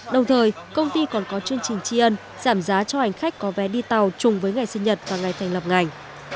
đồng thời công ty còn có chương trình tri ân giảm giá cho hành khách có vé đi tàu chung với ngày sinh nhật và ngày thành lập ngành